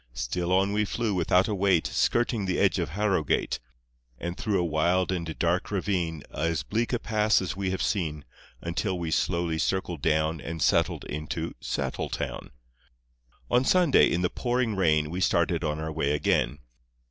Still on we flew without a wait, Skirting the edge of Harrowgate, And through a wild and dark ravine, As bleak a pass as we have seen, Until we slowly circled down And settled into Settle town. On Sunday, in the pouring rain, We started on our way again.